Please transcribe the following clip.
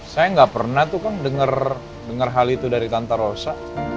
saya gak pernah tuh kan denger hal itu dari tante rosa